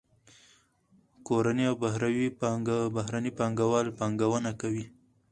کورني او بهرني پانګه وال پانګونه کوي.